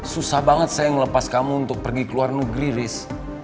susah banget saya melepas kamu untuk pergi ke luar negeri ris